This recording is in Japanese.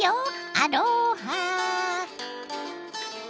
アロハ。